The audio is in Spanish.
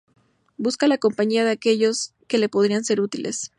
Busca la compañía de aquellos que le podrían ser útiles.